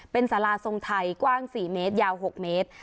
เป็นสาราทรงไทยกว้าง๔เมตรยาว๖เมตร